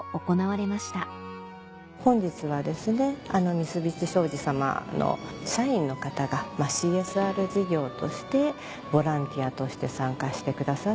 三菱商事さまの社員の方がＣＳＲ事業としてボランティアとして参加してくださって。